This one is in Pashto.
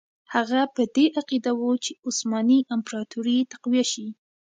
هغه په دې عقیده وو چې عثماني امپراطوري تقویه شي.